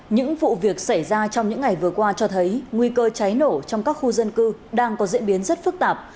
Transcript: những vụ việc xảy ra trong những ngày vừa qua cho thấy nguy cơ cháy nổ trong các khu dân cư đang có diễn biến rất phức tạp